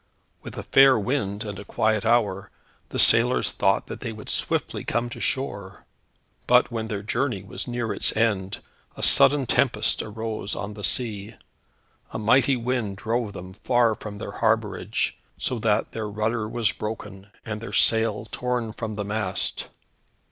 With a fair wind, and a quiet hour, the sailors thought that they would swiftly come to shore. But when their journey was near its end, a sudden tempest arose on the sea. A mighty wind drove them far from their harbourage, so that their rudder was broken, and their sail torn from the mast.